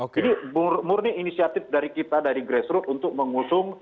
jadi murni inisiatif dari kita dari grassroots untuk mengusung